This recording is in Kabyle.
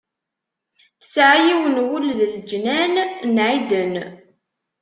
Tesɛa yiwen n wul d leǧnan n ɛiden.